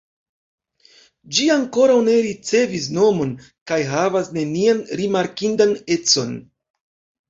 Ĝi ankoraŭ ne ricevis nomon kaj havas nenian rimarkindan econ.